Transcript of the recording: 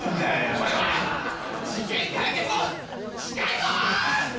これは事件解決も近いぞ！